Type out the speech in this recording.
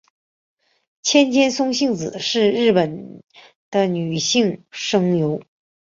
千千松幸子是日本的女性声优。